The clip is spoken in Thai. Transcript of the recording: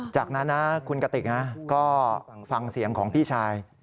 จากนั้นนะคุณกติกก็ฟังเสียงของพี่ชาย